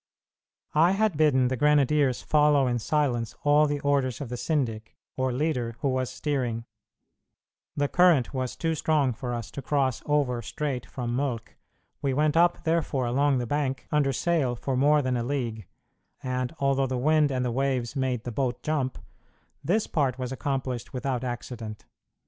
I had bidden the grenadiers follow in silence all the orders of the syndic, or leader, who was steering; the current was too strong for us to cross over straight from Mölk: we went up, therefore, along the bank under sail for more than a league, and although the wind and the waves made the boat jump, this part was accomplished without accident.